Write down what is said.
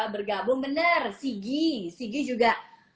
bergabung benar sigi sigi juga